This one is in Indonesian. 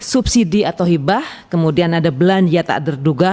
subsidi atau hibah kemudian ada belanja tak terduga